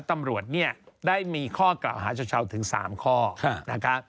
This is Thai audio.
ตำรวจเนี่ยได้มีข้อกล่าวหาชาวถึง๓ข้อนะคะ